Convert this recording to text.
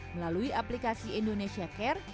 melalui aplikasi indonesia care